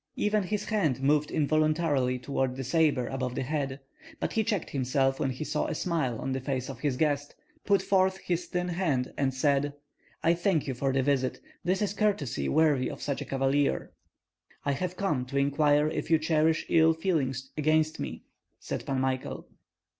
Even his hand moved involuntarily toward the sabre above his head; but he checked himself when he saw a smile on the face of his guest, put forth his thin hand, and said, "I thank you for the visit. This is courtesy worthy of such a cavalier." "I have come to inquire if you cherish ill feeling against me," said Pan Michael.